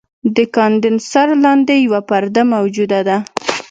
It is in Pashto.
د کاندنسر لاندې یوه پرده موجوده ده.